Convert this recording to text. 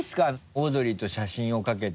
オードリーと写真をかけて。